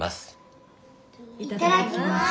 いただきます。